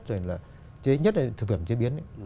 thứ nhất là thực phẩm chế biến